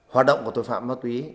hoạt động của tội phạm ma túy